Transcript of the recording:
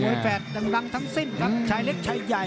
ยแฝดดังทั้งสิ้นครับชายเล็กชายใหญ่